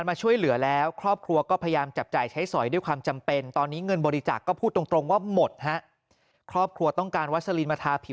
เพราะวะถ้าแกไม่ได้ทาแล้วขากระหม่อแขนกระหม่ออะไร